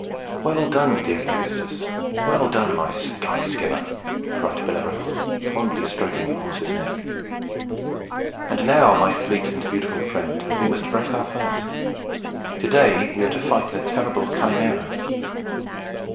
"Well done, dear Pegasus! well done, my sky skimmer!" cried Bellerophon, fondly stroking the horse's neck. "And now, my fleet and beautiful friend, we must break our fast. To day we are to fight the terrible Chimæra."